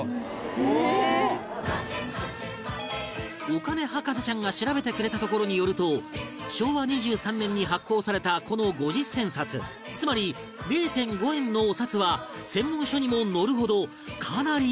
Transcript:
お金博士ちゃんが調べてくれたところによると昭和２３年に発行されたこの５０銭札つまり ０．５ 円のお札は専門書にも載るほどかなり希少なもの